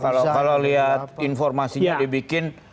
kalau lihat informasinya dibikin